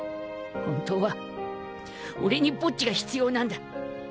本当は俺にボッジが必要なんだ。